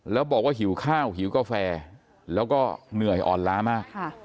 แล้วบอกว่าหิวข้าวหิวกาแฟแล้วก็เหนื่อยอ่อนล้ามาก